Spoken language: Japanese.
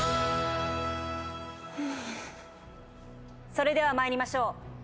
それでは参りましょう。